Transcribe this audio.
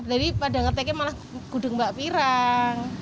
jadi pada ngeteknya malah gudeg mbak pirang